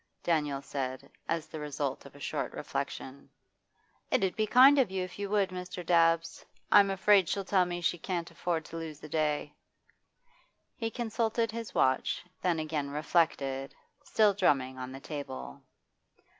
Daniel said, as the result of a short reflection. 'It 'ud be kind of you if you would, Mr. Dabbs. I'm afraid she'll tell me she can't afford to lose the day.' He consulted his watch, then again reflected, still drumming on the table.